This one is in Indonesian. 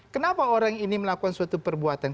kenapa orang ini melakukan suatu perbuatan